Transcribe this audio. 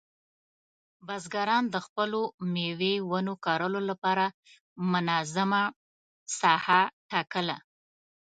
بزګران د خپلو مېوې ونو کرلو لپاره منظمه ساحه ټاکله.